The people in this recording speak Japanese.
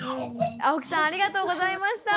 青木さんありがとうございました。